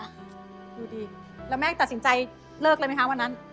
อยู่ดีแล้วแม่ตัดสินใจเลิกเลยไหมคะวันนั้น